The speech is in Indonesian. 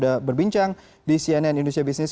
kita akan bincang di cnn indonesia business